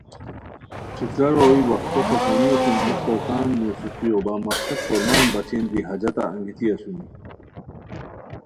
ݯھترارو روئے وختو خوشانیو سُم جوستہ تان موسیقیو بامقصد کورمان بچین دی حاجتہ ا نگیتی اسونی